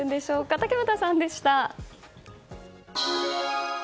竹俣さんでした。